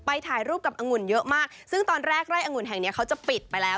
ถ่ายรูปกับองุ่นเยอะมากซึ่งตอนแรกไร่อังุ่นแห่งเนี้ยเขาจะปิดไปแล้ว